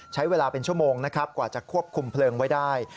ใช้เวลาเป็นชั่วโมงนะครับกว่าจะควบคุมเพลิงไว้ได้